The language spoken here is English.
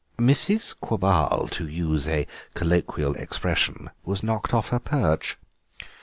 Mrs. Quabarl, to use a colloquial expression, was knocked off her perch.